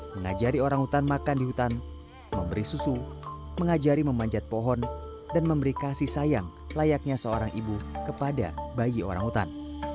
mengajari orang utan makan di hutan memberi susu mengajari memanjat pohon dan memberi kasih sayang layaknya seorang ibu kepada bayi orangutan